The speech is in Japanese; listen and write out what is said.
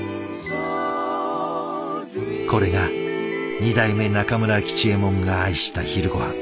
これが二代目中村吉右衛門が愛した昼ごはん。